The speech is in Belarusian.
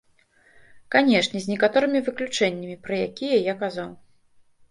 Канечне, з некаторымі выключэннямі, пра якія я казаў.